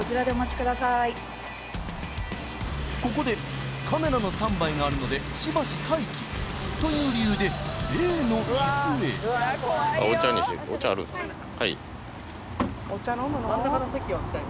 ここでカメラのスタンバイがあるのでしばし待機という理由でお茶あるんすか？